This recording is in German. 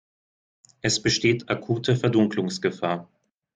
Es besteht akute Verdunkelungsgefahr.